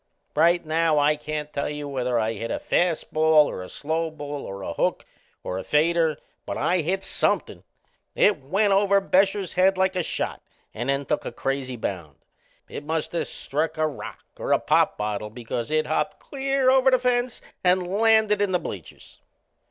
Right now I can't tell you whether I hit a fast ball, or a slow ball, or a hook, or a fader but I hit somethin'. It went over Bescher's head like a shot and then took a crazy bound. It must of struck a rock or a pop bottle, because it hopped clear over the fence and landed in the bleachers.